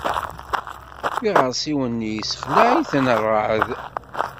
Iɣersiwen-nni yessexleε-iten rrεeḍ.